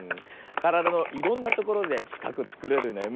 からだのいろんなところでしかくつくれるね。